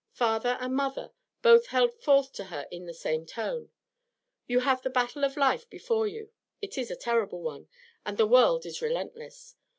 Father and mother both held forth to her in the same tone: 'You have the battle of life before you; it is a terrible one, and the world is relentless.